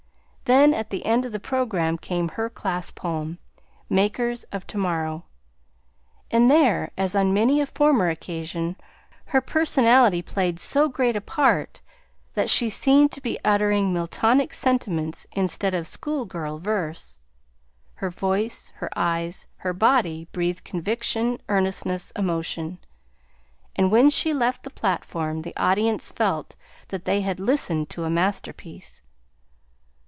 Then at the end of the programme came her class poem, Makers of To morrow; and there, as on many a former occasion, her personality played so great a part that she seemed to be uttering Miltonic sentiments instead of school girl verse. Her voice, her eyes, her body breathed conviction, earnestness, emotion; and when she left the platform the audience felt that they had listened to a masterpiece.